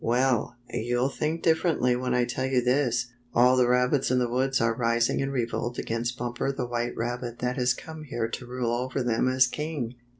"Well, you'll think differently when I tell you this. All the rabbits in the woods are rising in revolt against Bumper the White Rabbit that has come here to rule over them as king."